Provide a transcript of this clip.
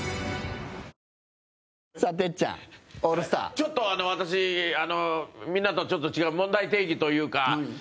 ちょっと、私、みんなとちょっと違う問題提起というか。